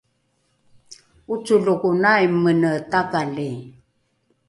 ocolokonai mene takali